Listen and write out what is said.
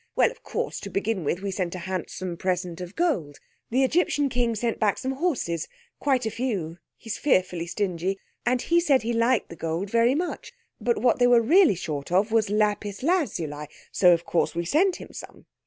Well, of course, to begin with, we sent a handsome present of gold. The Egyptian king sent back some horses—quite a few; he's fearfully stingy!—and he said he liked the gold very much, but what they were really short of was lapis lazuli, so of course we sent him some.